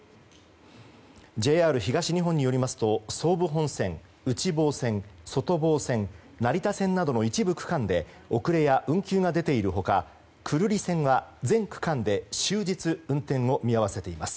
ＪＲ東日本によりますと総武本線内房線、外房線、成田線などの一部区間で遅れや運休が出ている他久留里線は全区間で終日、運転を見合わせています。